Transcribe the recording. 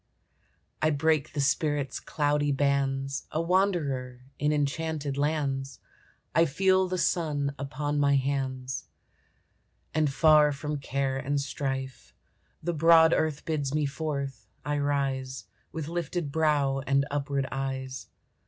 I break the spirit's cloudy bands, A wanderer in enchanted lands, I feel the sun upon my hands; And far from care and strife The broad earth bids me forth. I rise With lifted brow and upward eyes.